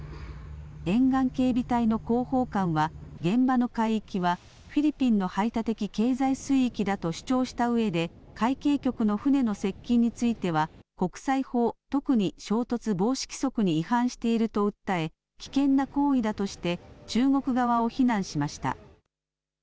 沿岸警備隊の広報官は、現場の海域はフィリピンの排他的経済水域だと主張したうえで、海警局の船の接近については国際法、特に衝突防止規則に違反していると訴え、危険な行為だとして、中国側を非難しました。